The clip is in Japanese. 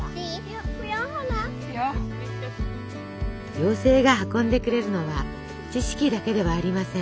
妖精が運んでくれるのは知識だけではありません。